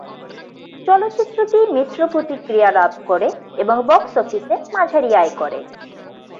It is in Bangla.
চলচ্চিত্রটি মিশ্র প্রতিক্রিয়া লাভ করে এবং বক্স অফিসে মাঝারি আয় করে।